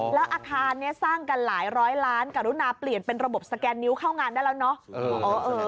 แล้วอาคารนี้สร้างกันหลายร้อยล้านกรุณาเปลี่ยนเป็นระบบสแกนนิ้วเข้างานได้แล้วเนาะ